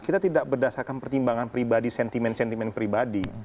kita tidak berdasarkan pertimbangan pribadi sentimen sentimen pribadi